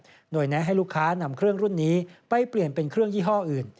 โดยแนะให้ลูกค้านำเครื่องรุ่นนี้ไปเปลี่ยนเป็นเครื่องยี่ห้ออื่น